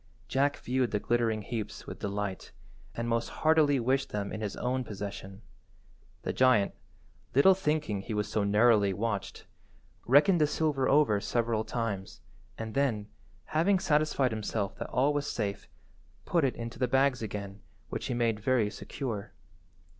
Jack viewed the glittering heaps with delight, and most heartily wished them in his own possession. The giant (little thinking he was so narrowly watched) reckoned the silver over several times, and then, having satisfied himself that all was safe, put it into the bags again, which he made very secure.